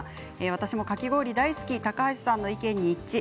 「私もかき氷大好き高橋さんの意見に一致。